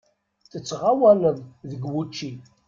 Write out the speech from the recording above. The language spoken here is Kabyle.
Tettɣawaleḍ deg wučči?